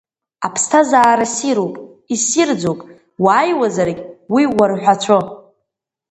Аԥсҭазаара ссируп, иссирӡоуп, уааиуазаргь уи уарҳәацәо.